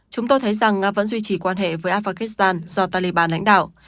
chúng tôi thấy rằng nga vẫn duy trì quan hệ với afghan do taliban lãnh đạo